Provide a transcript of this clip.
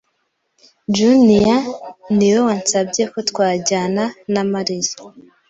Junia niwe wansabye ko twajyana na Mariya.